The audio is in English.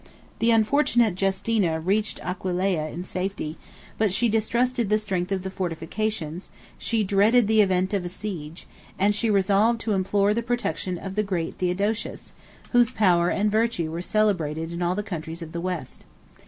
74 The unfortunate Justina reached Aquileia in safety; but she distrusted the strength of the fortifications: she dreaded the event of a siege; and she resolved to implore the protection of the great Theodosius, whose power and virtue were celebrated in all the countries of the West.